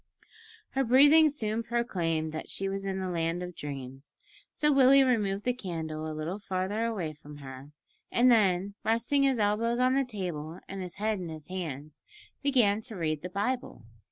Her deep breathing soon proclaimed that she was in the land of dreams, so Willie removed the candle a little further away from her, and then, resting his elbows on the table and his head in his hands, began to read the Bible.